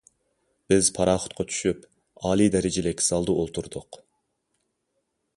بىز پاراخوتقا چۈشۈپ، ئالىي دەرىجىلىك زالدا ئولتۇردۇق.